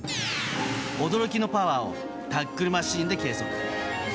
驚きのパワーをタックルマシンで計測。